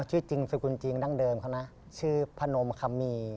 ชื่อจริงสกุลจริงดั้งเดิมเขานะชื่อพนมคัมมี